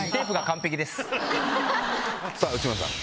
さぁ内村さん